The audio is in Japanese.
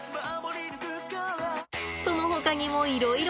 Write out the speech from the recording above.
そのほかにもいろいろ。